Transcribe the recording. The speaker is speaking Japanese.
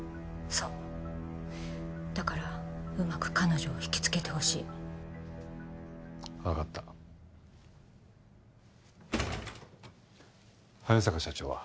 そうだからうまく彼女を引きつけてほしい分かった早坂社長は？